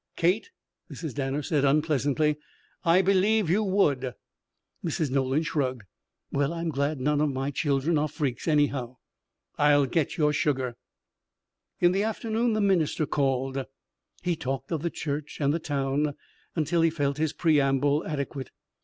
"Kate," Mrs. Danner said unpleasantly, "I believe you would." Mrs. Nolan shrugged. "Well I'm glad none of my children are freaks, anyhow." "I'll get your sugar." In the afternoon the minister called. He talked of the church and the town until he felt his preamble adequate.